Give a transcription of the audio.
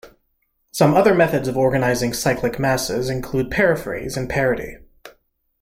Some other methods of organizing cyclic masses include paraphrase and parody.